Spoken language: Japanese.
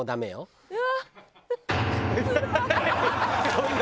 そんな。